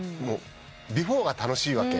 ビフォーが楽しいわけ。